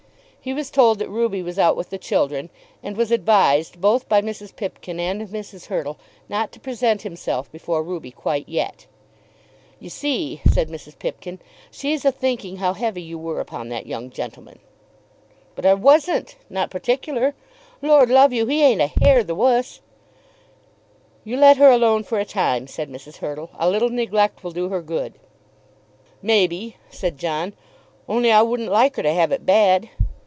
He was told that Ruby was out with the children, and was advised both by Mrs. Pipkin and Mrs. Hurtle not to present himself before Ruby quite yet. "You see," said Mrs. Pipkin, "she's a thinking how heavy you were upon that young gentleman." "But I wasn't; not particular. Lord love you, he ain't a hair the wuss." "You let her alone for a time," said Mrs. Hurtle. "A little neglect will do her good." "Maybe," said John, "only I wouldn't like her to have it bad.